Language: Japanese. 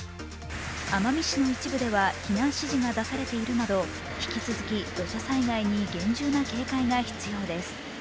奄美市の一部では避難指示が出されているなど、引き続き土砂災害に厳重な警戒が必要です。